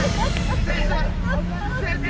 先生！